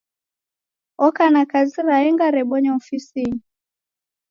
Oko na kazi raenga rebonya ofisinyi.